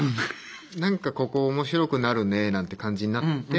何かここ面白くなるねなんて感じになって。